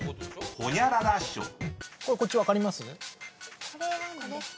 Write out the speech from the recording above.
こっち分かります？